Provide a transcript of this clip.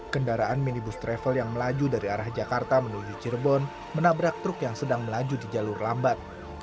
kendaraan minibus travel yang melaju dari arah jakarta menuju cirebon menabrak truk yang sedang melaju di jalur lambat